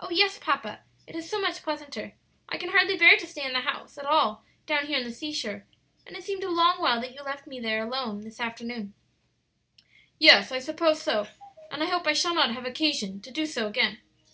"Oh, yes, papa; it is so much pleasanter! I can hardly bear to stay in the house at all down here at the seashore; and it seemed a long while that you left me alone there this afternoon." "Yes, I suppose so: and I hope I shall not have occasion to do so again.